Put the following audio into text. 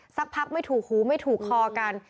สักพักไม่ถูกหูไม่ถูกคอกัน